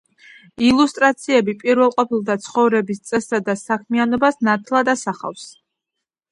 ილუსტრაციები პირველყოფილთა ცხოვრების წესსა და საქმიანობას ნათლად ასახავს.